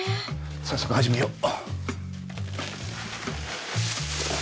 早速始めよう。